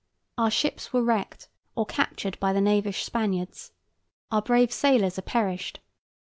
Our ships were wrecked, or captured by the knavish Spaniards. Our brave sailors are perished.